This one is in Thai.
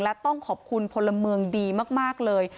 และต้องขอบคุณพลเมืองดีมากเลย